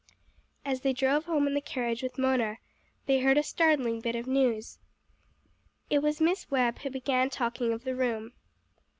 As they drove home in the carriage with Mona they heard a startling bit of news. It was Miss Webb who began talking of the room.